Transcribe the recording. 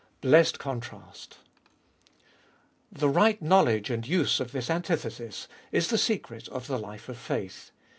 Blessed contrast ! The right knowledge and use of this antithesis is the secret of the life of faith.